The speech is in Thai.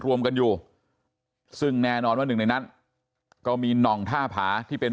รวมกันอยู่ซึ่งแน่นอนว่าหนึ่งในนั้นก็มีหน่องท่าผาที่เป็น